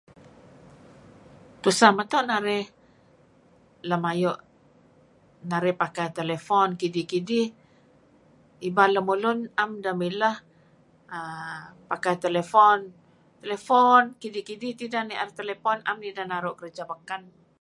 Tuseh meto' narih lam ayu' pakai telephone kidih-kidih. Ibal lemulun naem ideh mileh uhm pakai telephone. Telephone kidih-kidih tideh nier telephone naem naru' kerja baken.